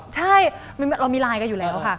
ใช่เรามีไลน์กันอยู่แล้วค่ะ